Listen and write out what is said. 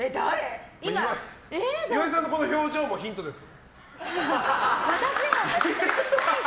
岩井さんの表情もヒントです。